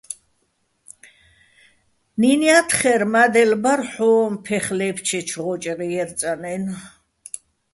ნინო̆ ჲათხერ: მა́დელ ბარ ჰ̦ო́ჼ ფეხ ლე́ფჩეჩო̆ ღო́ჭეღ ჲე́რწანაჲნო̆.